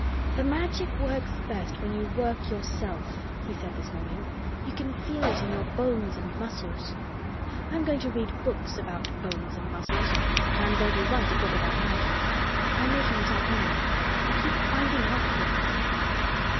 "The Magic works best when you work, yourself," he said this morning. "You can feel it in your bones and muscles. I am going to read books about bones and muscles, but I am going to write a book about Magic. I am making it up now. I keep finding out things."